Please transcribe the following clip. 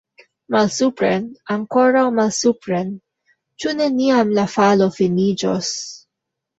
Malsupren, ankoraŭ malsupren! Ĉu neniam la falo finiĝos?